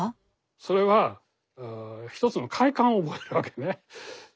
それは一つの快感を覚えるわけね。